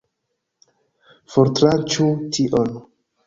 Fortranĉu tion!